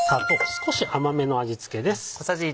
少し甘めの味付けです。